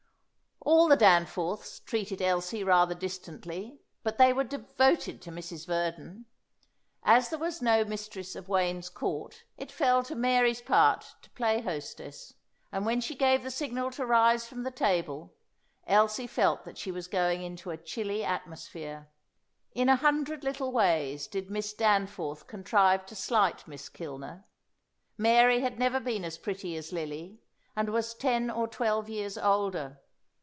All the Danforths treated Elsie rather distantly, but they were devoted to Mrs. Verdon. As there was no mistress of Wayne's Court, it fell to Mary's part to play hostess, and when she gave the signal to rise from the table Elsie felt that she was going into a chilly atmosphere. In a hundred little ways did Miss Danforth contrive to slight Miss Kilner. Mary had never been as pretty as Lily, and was ten or twelve years older.